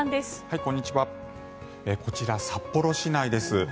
こちら、札幌市内です。